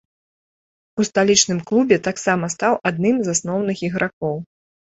У сталічным клубе таксама стаў адным з асноўных ігракоў.